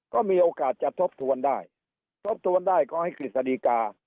ก็มีโอกาสจะทบทวนได้ทบทวนได้ก็ให้กฤษฎีกา